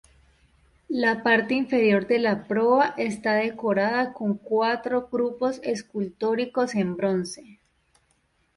La parte inferior de la proa está decorada con cuatro grupos escultóricos en bronce.